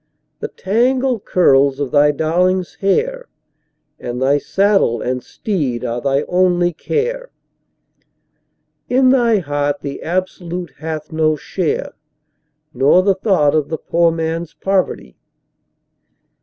The tangled curls of thy darling's hair, and thy saddle and teed are thy only care; In thy heart the Absolute hath no share, nor the thought of the poor man's poverty.